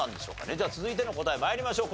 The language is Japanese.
じゃあ続いての答え参りましょう。